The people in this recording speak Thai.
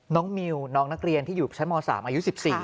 มิวน้องนักเรียนที่อยู่ชั้นม๓อายุ๑๔